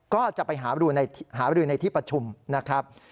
ก็จะไปหารือในที่ประชุมนะครับ